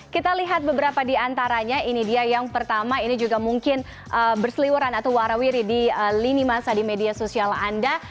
kita lihat beberapa di antaranya ini dia yang pertama ini juga mungkin berseliweran atau warawiri di lini masa di media sosial anda